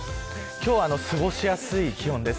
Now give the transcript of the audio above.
今日は過ごしやすい気温です。